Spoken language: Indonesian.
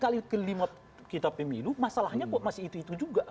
kali kelima kita pemilu masalahnya kok masih itu itu juga